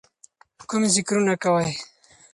کوم ذِکرونه کوئ،